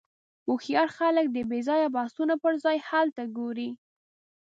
هوښیار خلک د بېځایه بحثونو پر ځای حل ته ګوري.